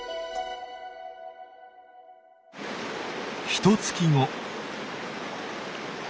ひとつき後。